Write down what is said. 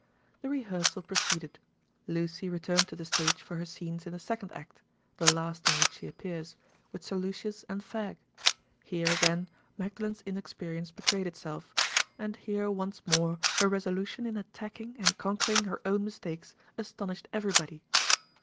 The rehearsal proceeded. Lucy returned to the stage for her scenes in the second act (the last in which she appears) with Sir Lucius and Fag. Here, again, Magdalen's inexperience betrayed itself—and here once more her resolution in attacking and conquering her own mistakes astonished everybody.